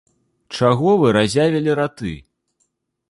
Чаго вы разявілі раты?